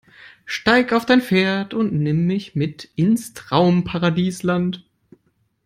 Steig auf dein Pferd und nimm mich mit ins Traumparadisland.